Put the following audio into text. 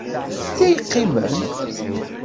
Anta i yeqqimen?